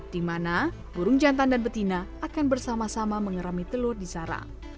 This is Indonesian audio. di mana burung jantan dan betina akan bersama sama mengerami telur di sarang